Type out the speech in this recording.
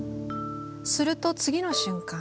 すると次の瞬間